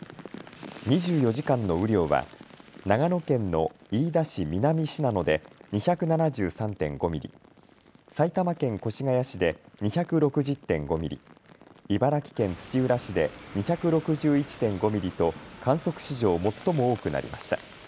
２４時間の雨量は長野県の飯田市南信濃で２７３．５ミリ、埼玉県越谷市で２６０．５ミリ、茨城県土浦市で２６１．５ミリと観測史上最も多くなりました。